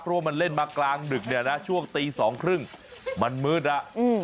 เพราะว่ามันเล่นมากลางดึกเนี่ยนะช่วงตี๒๓๐มันมืดแล้ว